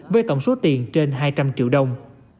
với tổng số tiền trên hai trăm linh triệu đồng